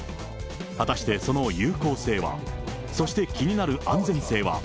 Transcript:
果たしてその有効性は、そして気になる安全性は。